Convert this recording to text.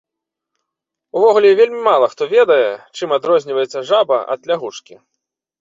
Увогуле вельмі мала хто ведае, чым адрозніваецца жаба ад лягушкі.